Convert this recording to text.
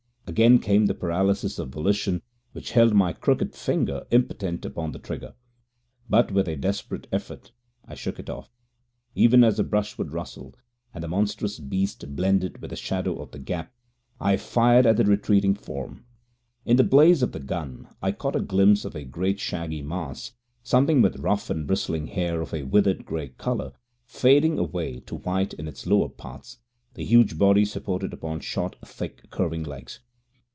Again came that paralysis of volition which held my crooked forefinger impotent upon the trigger. But with a desperate effort I shook it off. Even as the brushwood rustled, and the monstrous beast blended with the shadow of the Gap, I fired at the retreating form. In the blaze of the gun I caught a glimpse of a great shaggy mass, something with rough and bristling hair of a withered grey colour, fading away to white in its lower parts, the huge body supported upon short, thick, curving legs.